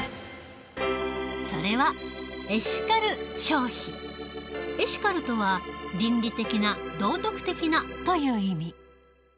それはエシカルとは「倫理的な」「道徳的な」という意味。